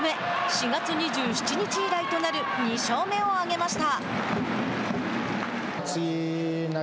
４月２７日以来となる２勝目を挙げました。